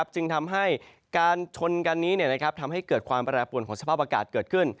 จึงทำให้การชนกันนี้ทำให้เกิดความแปรปวนของสภาพอากาศเกิดขึ้น